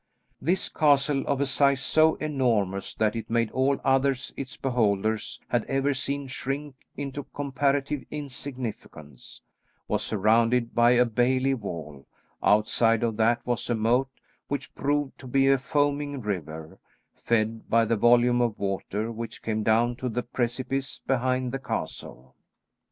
This castle of a size so enormous that it made all others its beholders had ever seen shrink into comparative insignificance, was surrounded by a bailey wall; outside of that was a moat which proved to be a foaming river, fed by the volume of water which came down the precipice behind the castle.